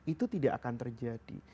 itu tidak akan terjadi